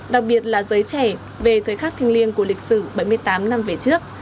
đặc biệt là giới trẻ về thời khắc thiêng liêng của lịch sử bảy mươi tám năm về trước